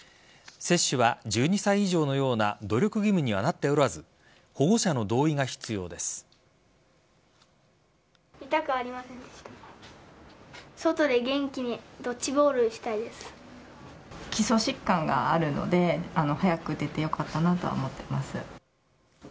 接種は１２歳以上のような努力義務にはなっておらず保護者の同意が必要です。